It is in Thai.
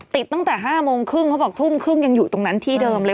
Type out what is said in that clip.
ติดตั้งแต่๕โมงครึ่งเขาบอกทุ่มครึ่งยังอยู่ตรงนั้นที่เดิมเลย